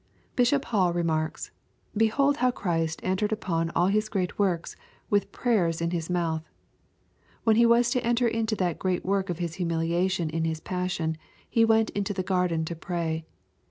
"Bi^op Hall remarks, " Behold how Christ entered upon all His great works, with prayers in His mouth. When He was to enter into that great work of His humiliation in His passion, He went into the garden to pray.